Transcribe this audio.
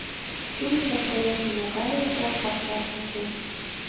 Тудын ваштареш нимогай осал фактат уке.